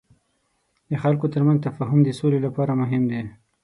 د خلکو ترمنځ تفاهم د سولې لپاره مهم دی.